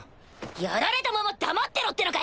やられたまま黙ってろってのかよ！